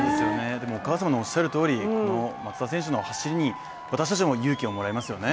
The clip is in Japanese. でも、お母様のおっしゃるとおり松田選手の走りに私たちも勇気をもらいますよね。